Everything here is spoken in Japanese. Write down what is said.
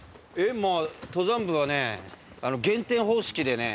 まあ登山部はね減点方式でね。